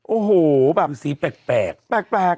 โอ้โหแบบฤาษีแปลก